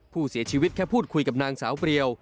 ผู้เสียชีวิตแค่พูดคุยกับนางสาวเปรียว